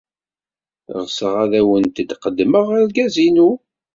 Ɣseɣ ad awent-d-qeddmeɣ argaz-inu.